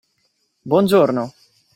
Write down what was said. Buongiorno!